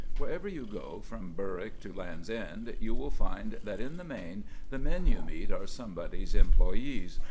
Wherever you go, from Berwick to Land's End, you will find that in the main the men you meet are somebody's employees.